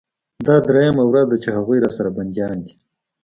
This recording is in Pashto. دا درېيمه ورځ ده چې هغوى راسره بنديان دي.